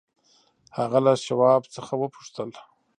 هغه له شواب څخه وپوښتل.